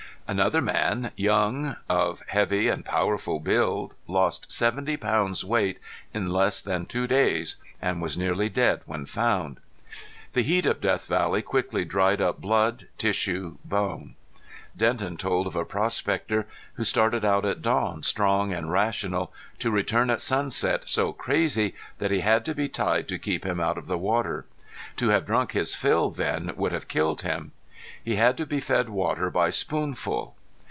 Another man, young, of heavy and powerful build, lost seventy pounds weight in less than two days, and was nearly dead when found. The heat of Death Valley quickly dried up blood, tissue, bone. Denton told of a prospector who started out at dawn strong and rational, to return at sunset so crazy that he had to be tied to keep him out of the water. To have drunk his fill then would have killed him! He had to be fed water by spoonful.